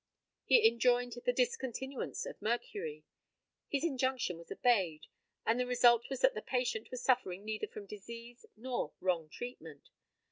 He enjoined the discontinuance of mercury. His injunction was obeyed, and the result was that the patient was suffering neither from disease nor wrong treatment.